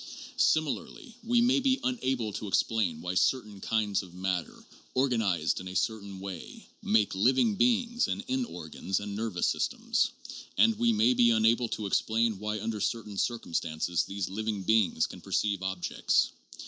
Similarly we may be unable to explain why certain kinds of matter, organized in a certain way, make living beings and end organs and nervous systems; and we may be unable to explain why under certain circumstances these living beings can perceive ob jects.